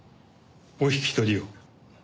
お引き取りを。